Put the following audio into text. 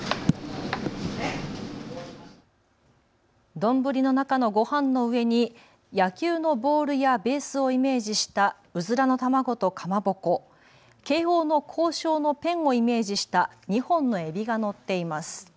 丼の中のごはんの上に野球のボールやベースをイメージしたうずらの卵とかまぼこ、慶応の校章のペンをイメージした２本のエビが載っています。